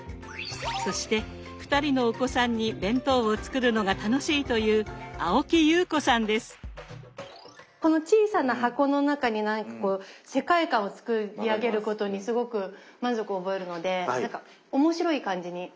そして２人のお子さんに弁当を作るのが楽しいというこの小さな箱の中に世界観を作り上げることにすごく満足を覚えるので何か面白い感じに。